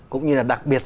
cũng như là đặc biệt